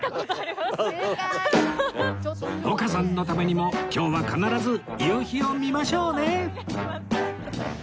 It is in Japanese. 丘さんのためにも今日は必ず夕日を見ましょうね